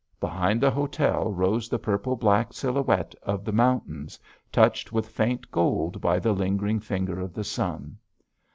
Behind the hotel rose the purple black silhouette of the mountains, touched with faint gold by the lingering finger of the sun.